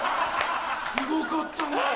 すごかったなぁ。